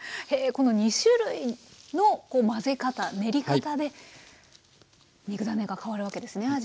へえこの２種類の混ぜ方練り方で肉ダネが変わるわけですね